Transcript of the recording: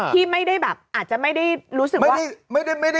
ที่ไม่ได้แบบอาจจะไม่ได้รู้สึกว่า